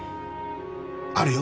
あるよ。